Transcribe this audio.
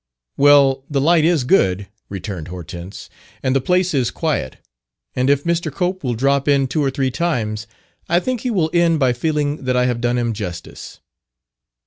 "Well, the light is good," returned Hortense, "and the place is quiet; and if Mr. Cope will drop in two or three times, I think he will end by feeling that I have done him justice."